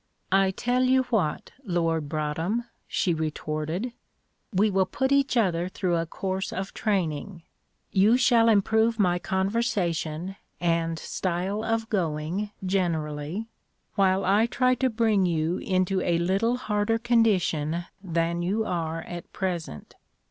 "I tell you what, Lord Broadhem," she retorted, "we will put each other through a course of training; you shall improve my conversation and 'style of going' generally, while I try to bring you into a little harder condition than you are at present.